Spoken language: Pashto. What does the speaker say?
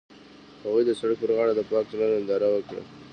هغوی د سړک پر غاړه د پاک زړه ننداره وکړه.